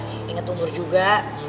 nginget umur juga